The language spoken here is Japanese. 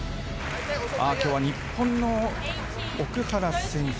今日は日本の奥原選手